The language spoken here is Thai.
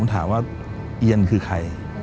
ถามว่าเอียนคือใคร